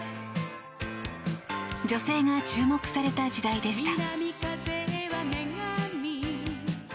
女性が注目された時代でした。